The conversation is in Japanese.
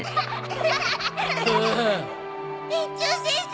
園長先生